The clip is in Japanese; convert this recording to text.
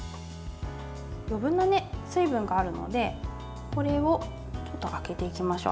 余分な水分があるのでこれをあけていきましょう。